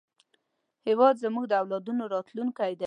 هېواد زموږ د اولادونو راتلونکی دی